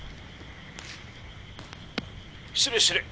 「失礼失礼！